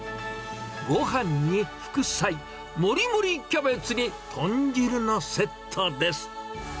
ごはんに副菜、もりもりキャベツに豚汁のセットです。